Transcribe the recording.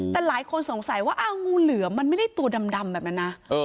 แต่หลายคนสงสัยว่าอ้าวงูเหลือมมันไม่ได้ตัวดำแบบนั้นนะ